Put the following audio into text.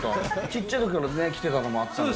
ちっちゃいときから来てたのもあったんで。